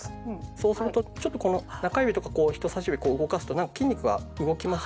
そうするとちょっとこの中指とか人さし指こう動かすとなんか筋肉が動きます？